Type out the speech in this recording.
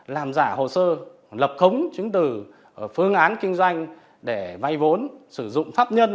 làm giả hồ sơ lập khống chứng từ phương án kinh doanh để vay vốn sử dụng pháp nhân